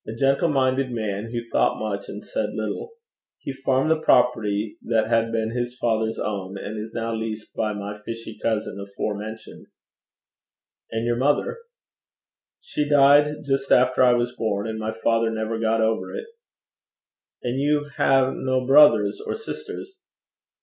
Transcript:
'A gentle minded man, who thought much and said little. He farmed the property that had been his father's own, and is now leased by my fishy cousin afore mentioned.' 'And your mother?' 'She died just after I was born, and my father never got over it.' 'And you have no brothers or sisters?'